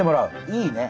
いいね。